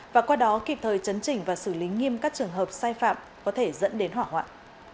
và qua đó kịp thời chấn chỉnh và xử lý nghiêm các trường hợp sai phạm có thể dẫn đến hỏa hoạn